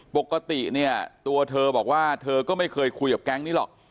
ปกติเนี่ยตัวเธอบอกว่าเธอก็ไม่เคยคุยกับแก๊งนี้หรอก